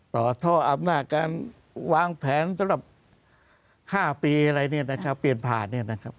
ต่อท่ออำนาจการวางแผนสำหรับ๕ปีอะไรเปลี่ยนผ่าน